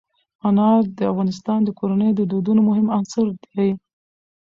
انار د افغان کورنیو د دودونو مهم عنصر دی.